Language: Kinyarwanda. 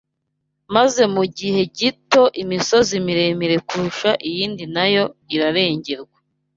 maze mu gihe gito imisozi miremire kurusha iyindi na yo irarengerwa